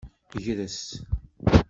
Gres.